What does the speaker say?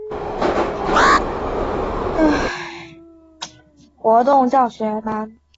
小一至小六均为活动教学班。